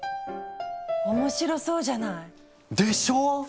面白そうじゃない。でしょう！